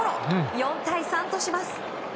４対３とします。